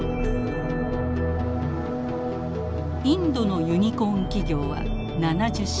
インドのユニコーン企業は７０社。